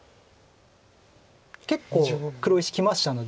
結構黒石きましたので。